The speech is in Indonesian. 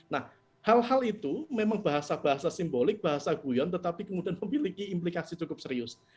nah hal hal itu memang bahasa bahasa simbolik bahasa guyon tetapi kemudian memiliki implikasi cukup serius